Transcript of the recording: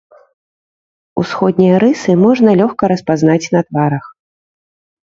Усходнія рысы можна лёгка распазнаць на тварах.